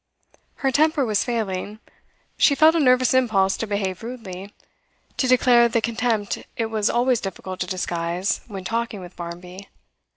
Her temper was failing. She felt a nervous impulse to behave rudely, to declare the contempt it was always difficult to disguise when talking with Barmby.